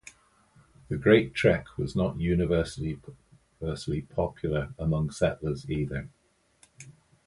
The Great Trek was not universally popular among the settlers either.